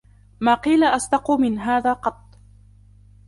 ما قيل أصدق من هذا قط.